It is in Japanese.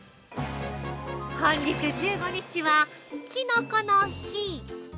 本日１５日はきのこの日。